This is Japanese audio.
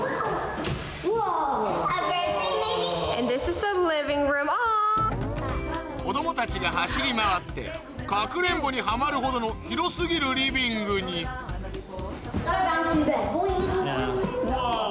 そんな子供たちが走り回ってかくれんぼにハマるほどの広過ぎるリビングにワォ！